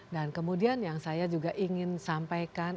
dan kemudian yang saya juga ingin sampaikan